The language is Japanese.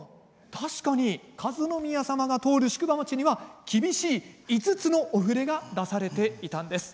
確かに和宮さまが通る宿場町には厳しい５つのお触れが出されていたんです。